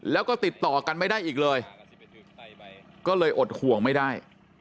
แล้วก็ติดต่อกันไม่ได้อีกเลยก็เลยอดห่วงไม่ได้